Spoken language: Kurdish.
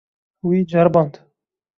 Wî ceriband.